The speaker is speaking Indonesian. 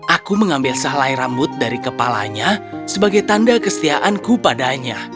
aku mengambil sehelai rambut dari kepalanya sebagai tanda kestiaanku padanya